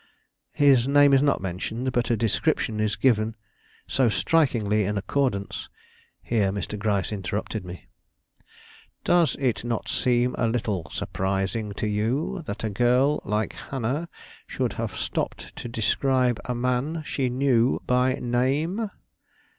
"His name is not mentioned, but a description is given so strikingly in accordance " Here Mr. Gryce interrupted me. "Does it not seem a little surprising to you that a girl like Hannah should have stopped to describe a man she knew by name?"